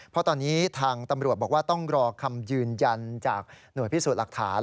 เพราะตอนนี้ทางตำรวจบอกว่าต้องรอคำยืนยันจากหน่วยพิสูจน์หลักฐาน